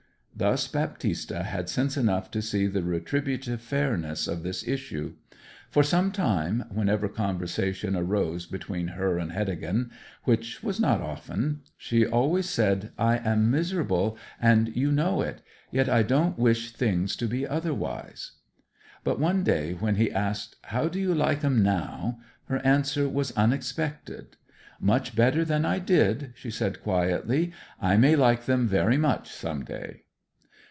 Thus Baptista had sense enough to see the retributive fairness of this issue. For some time, whenever conversation arose between her and Heddegan, which was not often, she always said, 'I am miserable, and you know it. Yet I don't wish things to be otherwise.' But one day when he asked, 'How do you like 'em now?' her answer was unexpected. 'Much better than I did,' she said, quietly. 'I may like them very much some day.'